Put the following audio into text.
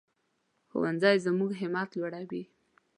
ښوونځی زموږ همت لوړوي